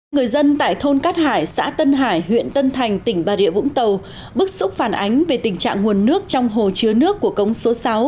người dân tại thôn cát hải xã tân hải huyện tân thành tỉnh bà rịa vũng tàu bức xúc phản ánh về tình trạng nguồn nước trong hồ chứa nước của cống số sáu